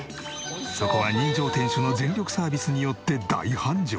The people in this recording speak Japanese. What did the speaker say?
そこは人情店主の全力サービスによって大繁盛。